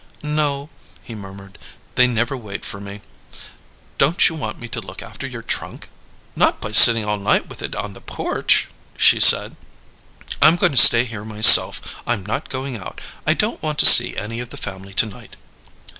"No," he murmured. "They never wait for me. Don't you want me to look after your trunk?" "Not by sitting all night with it on the porch!" she said. "I'm going to stay here myself. I'm not going out; I don't want to see any of the family to night."